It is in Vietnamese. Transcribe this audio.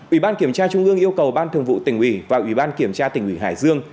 ủy ban kiểm tra trung ương yêu cầu ban thường vụ tỉnh ủy và ủy ban kiểm tra tỉnh ủy hải dương